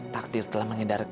takdir telah menghindarkan dia